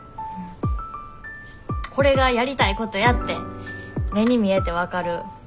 これがやりたいことやって目に見えて分かる物差し。